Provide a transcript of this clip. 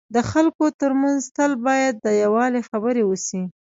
د خلکو ترمنځ تل باید د یووالي خبري وسي.